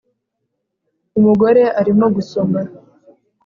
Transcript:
umugore arimo gusoma